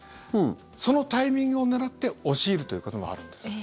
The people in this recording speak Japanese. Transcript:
そのタイミングを狙って押し入るということもあるんです。